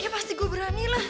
ya pasti gue berani lah